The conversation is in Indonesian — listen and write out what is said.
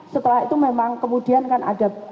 setelah itu memang kemudian kan ada